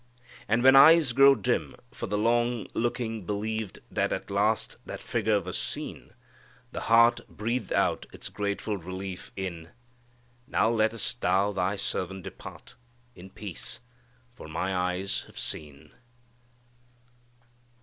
And when eyes grown dim for the long looking believed that at last that figure was seen, the heart breathed out its grateful relief in "Now lettest thou thy servant depart in peace, for my eyes have seen."